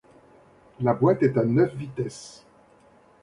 La boîte est à neuf vitesses.